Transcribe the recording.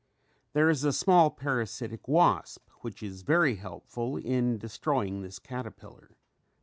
There is a small parasitic wasp which is very helpful in destroying this caterpillar.